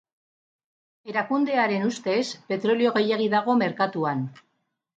Erakundearen ustez petrolio gehiegi dago merkatuan.